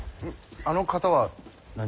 あの方は何を？